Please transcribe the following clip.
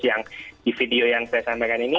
yang di video yang saya sampaikan ini